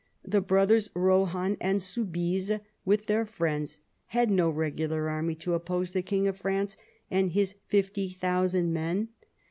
The brothers Rohan and Soubise, with their friends, had no regular army to oppose the King of France and his fifty thousand men.